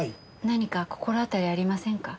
何か心当たりありませんか？